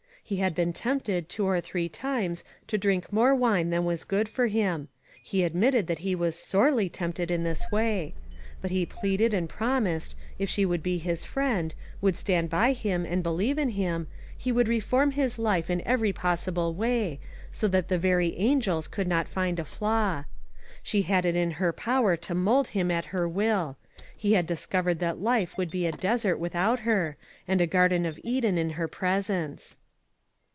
He had been tempted, two or three times, to drink more wine than was good for him. He admitted that he was sorely tempted in this way; but he pleaded and promised, if she would be his friend, would stand by him, and believe in him, he would reform his life in every possible way, so that the very angels could not find a flaw. She had it in her power to mold him at her will. He had discovered that life would be a desert without her, and a Garden of Eden in her presence.